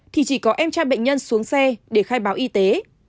thì chỉ có em trai bệnh nhân xuống xe để khai báo y tế